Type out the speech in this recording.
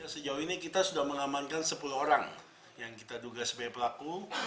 sejauh ini kita sudah mengamankan sepuluh orang yang kita duga sebagai pelaku